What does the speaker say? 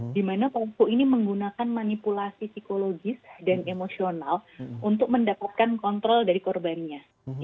dimana pokok ini menggunakan manipulasi psikologis dan emosional untuk mendapatkan kontrol dari korbannya